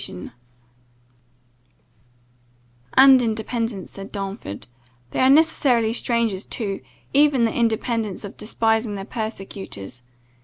[Godwin's note] "And independence," said Darnford, "they are necessarily strangers to, even the independence of despising their persecutors.